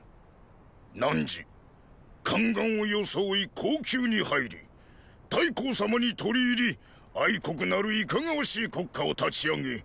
汝宦官を装い後宮に入り太后様に取り入り国なるいかがわしい国家を立ち上げ